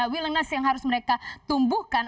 willingness yang harus mereka tumbuhkan